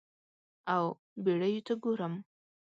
او بیړیو ته ګورم